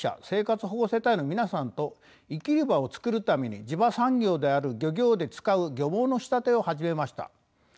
生活保護世帯の皆さんと生きる場をつくるために地場産業である漁業で使う漁網の仕立てを始めました。